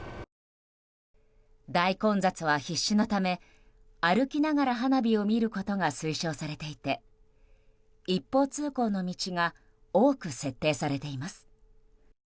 大混雑は必至のため歩きながら花火を見ることが推奨されていて一方通行の道が多く設定されています。